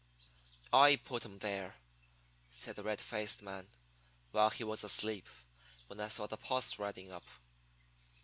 "I put 'em there," said the red faced man, "while he was asleep, when I saw the posse riding up.